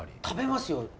食べますよ。